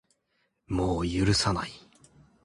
もう許さない